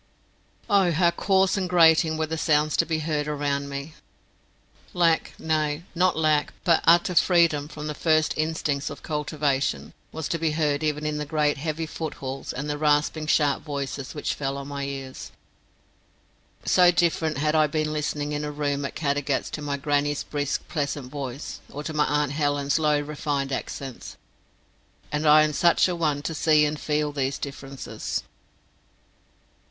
Oh, how coarse and grating were the sounds to be heard around me! Lack, nay, not lack, but utter freedom from the first instincts of cultivation, was to be heard even in the great heavy footfalls and the rasping sharp voices which fell on my ears. So different had I been listening in a room at Caddagat to my grannie's brisk pleasant voice, or to my aunt Helen's low refined accents; and I am such a one to see and feel these differences.